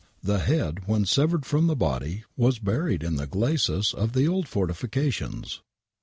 The head, when severed from the body, was buried in the glacis of the old fortifications.